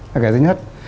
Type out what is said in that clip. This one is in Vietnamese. là cái thứ nhất